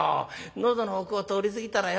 喉の奥を通り過ぎたらよ